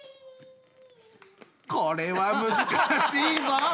これは難しいぞ。